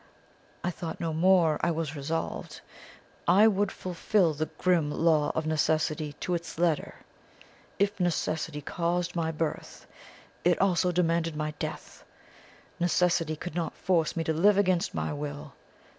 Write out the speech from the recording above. I thought no more; I was resolved. I would fulfil the grim Law of Necessity to its letter. If Necessity caused my birth, it also demanded my death. Necessity could not force me to live against my will.